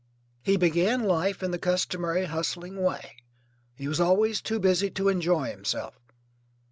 He began life in the customary hustling way. He was always too busy to enjoy himself.